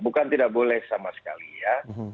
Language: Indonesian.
bukan tidak boleh sama sekali ya